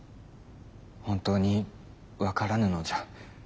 本当に分からぬのじゃ。